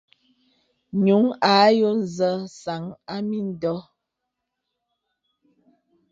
Ǹyùŋ à yɔ zə sàŋ à mìndɔ̀.